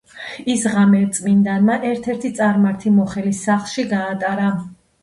ის ღამე წმიდანმა ერთ-ერთი წარმართი მოხელის სახლში გაატარა.